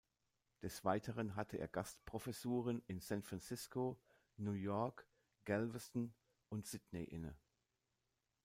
Des Weiteren hatte er Gastprofessuren in San Francisco, New York, Galveston und Sydney inne.